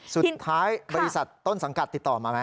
สุดท้ายบริษัทต้นสังกัดติดต่อมาไหม